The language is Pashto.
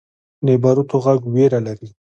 د باروتو غږ ویره لري.